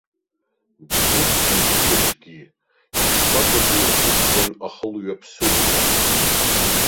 Дгьылгьы ӡиасгьы ишкәакәаӡа ирхылҵуан ахылҩа-ԥсылҩа.